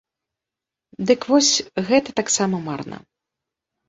Дык вось, гэта таксама марна!